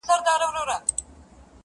موږ څلور واړه د ژړا تر سـترگو بـد ايـسو~